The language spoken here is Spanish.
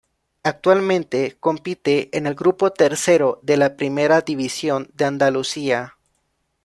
Actualmente compite en el grupo tercero de la Primera División de Andalucía.